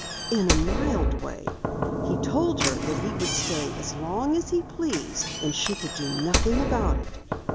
"In a mild way. He told her that he would stay as long as he pleased and she could do nothing about it.